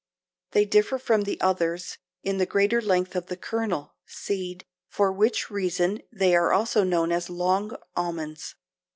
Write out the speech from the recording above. They differ from the others in the greater length of the kernel (seed), for which reason they are also known as long almonds.